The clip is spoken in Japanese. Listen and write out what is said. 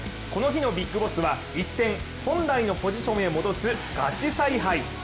この日のビッグボスは、一転、本来のポジションに戻すガチ采配。